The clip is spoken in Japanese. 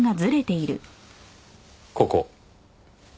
ここ。